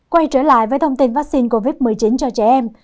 quay trở lại với thông tin vaccine covid một mươi chín cho trẻ em